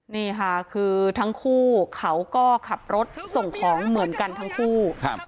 นี่ค่ะคือทั้งคู่เขาก็ขับรถส่งของเหมือนกันทั้งคู่